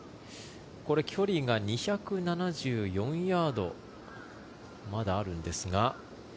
距離が２７４ヤードまだあるんですが。